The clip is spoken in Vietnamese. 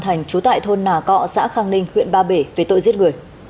phạm anh tú cơ quan công an phát hiện thu giữ một khẩu súng